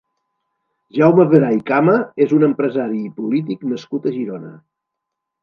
Jaume Veray Cama és un empresari i polític nascut a Girona.